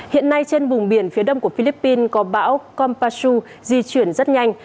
hiện nay trên vùng biển phía đông của philippines có bão kompasu di chuyển rất nhanh